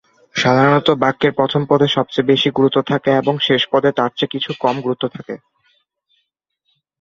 সাধারণত বাক্যের প্রথম পদে সবচেয়ে বেশি গুরুত্ব থাকে, এবং শেষ পদে তার চেয়ে কিছু কম গুরুত্ব থাকে।